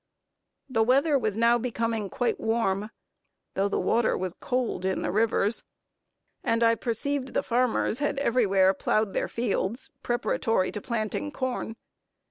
The weather was now becoming quite warm, though the water was cold in the rivers; and I perceived the farmers had everywhere ploughed their fields, preparatory to planting corn.